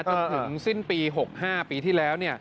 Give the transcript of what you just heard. จนถึงสิ้นปี๖๕ปีที่แล้ว